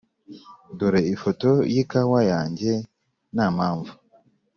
dore ifoto yikawa yanjye ntampamvu.